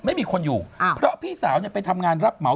ไม่มีคนอยู่เพราะพี่สาวเนี่ยไปทำงานรับเหมา